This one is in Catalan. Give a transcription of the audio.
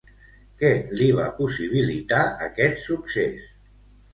Què li va possibilitar aquest succés?